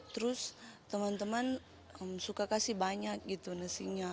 terus teman teman suka kasih banyak gitu nasinya